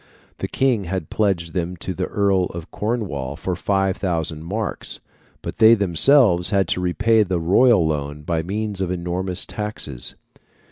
The King had pledged them to the Earl of Cornwall for 5,000 marks, but they themselves had to repay the royal loan by means of enormous taxes.